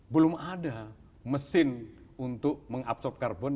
belum ada mesin untuk mengabsorb karbon